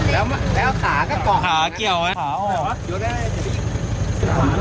แล้วแล้วขาก็ก่อนขาเกี่ยวไงขาออกอยู่ได้ขา